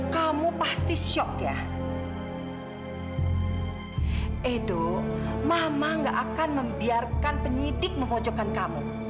sampai jumpa di video selanjutnya